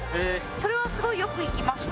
それはすごいよく行きました。